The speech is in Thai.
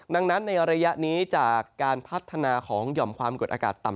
ดังนั้นในระยะนี้จากการพัฒนาของหย่อมความกดอากาศต่ำ